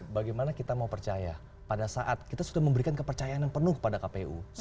bagaimana kita mau percaya pada saat kita sudah memberikan kepercayaan yang penuh kepada kpu